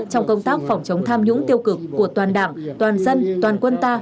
trong công tác phòng chống tham nhũng tiêu cực của toàn đảng toàn dân toàn quân ta